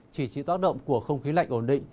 chỉ chịu tác động của không khí lạnh ổn định